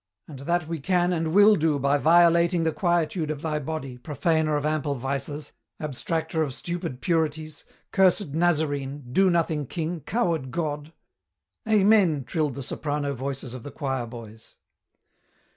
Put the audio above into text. "And that we can and will do by violating the quietude of thy body, Profaner of ample vices, Abstractor of stupid purities, cursed Nazarene, do nothing King, coward God!" "Amen!" trilled the soprano voices of the choir boys.